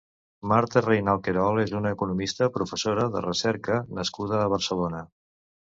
Marta Reynal-Querol és una economista, professora de recerca nascuda a Barcelona.